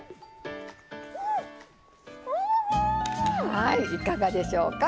はいいかがでしょうか。